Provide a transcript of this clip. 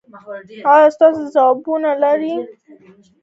ایا تاسو ځوابونه لرئ؟